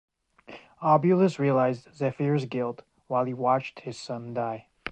Oebalus realizes Zephyr's guilt while he watches his own son die.